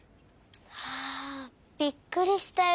はあびっくりしたよ。